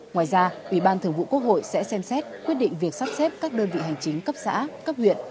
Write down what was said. ngoài ra ủy ban thường vụ quốc hội sẽ xem xét quyết định việc sắp xếp các đơn vị hành chính cấp xã cấp huyện